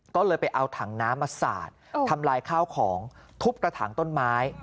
ก็เลยไปเอาถังน้ำมาสาดทำลายข้าวของทุบกระถางต้นไม้